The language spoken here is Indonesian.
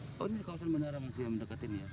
oh ini kawasan bandara yang dekat ini ya